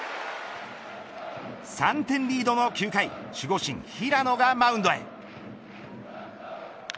３点リードの９回守護神、平野がマウンドへ。